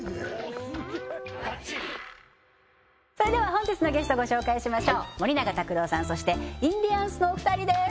本日のゲストご紹介しましょう森永卓郎さんそしてインディアンスのお二人です